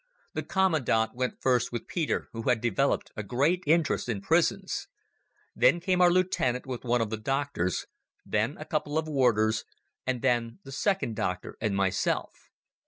The commandant went first with Peter, who had developed a great interest in prisons. Then came our lieutenant with one of the doctors; then a couple of warders; and then the second doctor and myself.